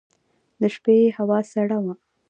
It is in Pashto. د شپې هوا سړه وه.